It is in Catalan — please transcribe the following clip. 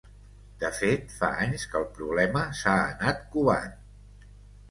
De fet, fa anys que el problema s’ha anat covant.